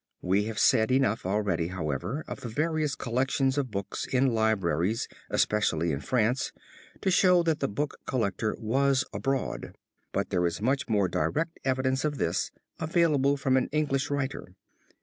We have said enough already, however, of the various collections of books in libraries especially in France to show that the book collector was abroad, but there is much more direct evidence of this available from an English writer.